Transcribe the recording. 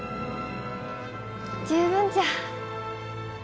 十分じゃ。